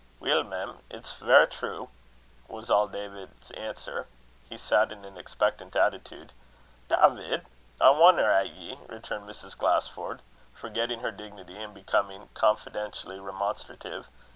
"Weel, mem, it's verra true," was all David's answer. He sat in an expectant attitude. "Dawvid, I wonner at ye!" returned Mrs. Glasford, forgetting her dignity, and becoming confidentially remonstrative.